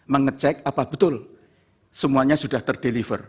mengecek apa betul semuanya sudah ter deliver